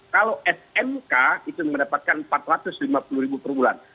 kalau smk itu mendapatkan rp empat ratus lima puluh ribu per bulan